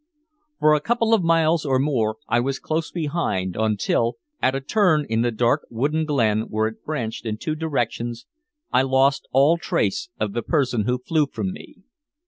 For a couple of miles or more I was close behind, until, at a turn in the dark wooded glen where it branched in two directions, I lost all trace of the person who flew from me.